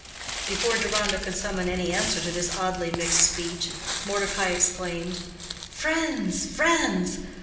Before Deronda could summon any answer to this oddly mixed speech, Mordecai exclaimed, "Friends, friends!